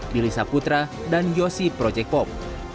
billy saputra dan yosi project pop